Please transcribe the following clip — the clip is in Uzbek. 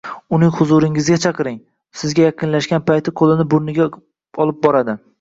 Uni huzuringizga chaqiring, sizga yaqinlashgan payti qoʻlini burniga olib boradi